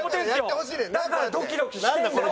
だからドキドキしてんだよ！